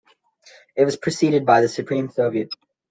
It was preceded by the Supreme Soviet.